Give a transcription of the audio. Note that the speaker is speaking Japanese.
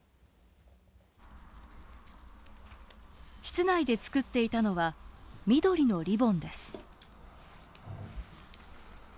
室内で作っていたのは緑のリボンです。